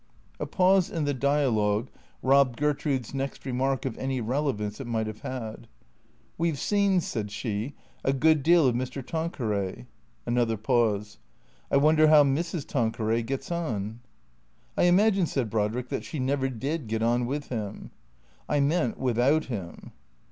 A pause in the dialogue robbed Gertrude's nest remark of any relevance it might have had. " We 've seen," said she, " a good deal of Mr. Tanqueray. (Another pause.) "I wonder how Mrs. Tanqueray gets on." " I imagine," said Brodrick, " that she never did get on with him." " I meant — without him."